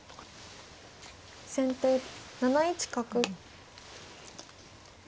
先手７一角。